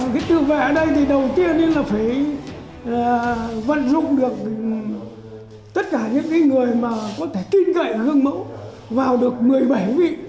cái tự vệ ở đây thì đầu tiên là phải vận dụng được tất cả những người mà có thể kinh cậy hương mẫu vào được một mươi bảy vị